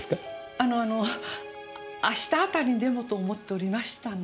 あのあの明日あたりにでもと思っておりましたの。